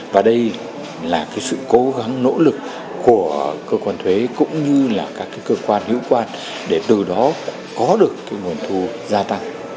và đây là sự cố gắng nỗ lực của cơ quan thuế cũng như là các cơ quan hữu quan để từ đó có được nguồn thu gia tăng